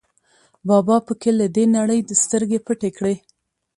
بابا په کې له دې نړۍ سترګې پټې کړې.